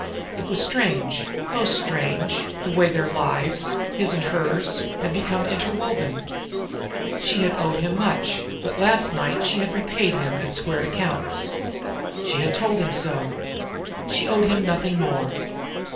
It was strange, most strange, the way their lives, his and hers, had become interwoven! She had owed him much; but last night she had repaid him and squared accounts. She had told him so. She owed him nothing more.